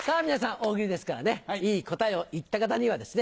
大喜利ですからねいい答えを言った方にはですね